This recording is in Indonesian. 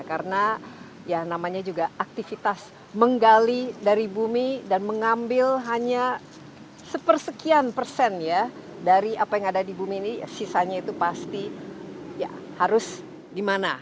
karena ya namanya juga aktivitas menggali dari bumi dan mengambil hanya sepersekian persen ya dari apa yang ada di bumi ini sisanya itu pasti ya harus di mana